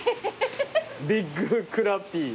ビッグクラッピー。